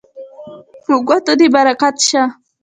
په ګوتو دې برکت شه